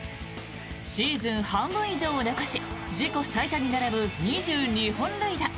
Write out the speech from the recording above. シーズン半分以上を残し自己最多に並ぶ２２本塁打。